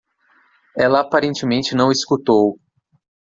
Ela aparentemente não escutou.